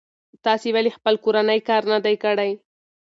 تاسې ولې خپل کورنی کار نه دی کړی؟